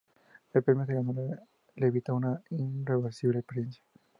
El premio que ganó le evitó esa irreversible experiencia.